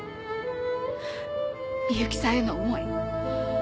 深雪さんへの想い。